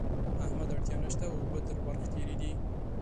احمده! اړتیا نه شته؛ اوبه تر ورخ تېرې دي.